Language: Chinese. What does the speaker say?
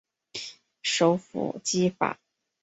首府基法。